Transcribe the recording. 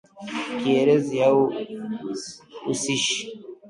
kielezi au husishi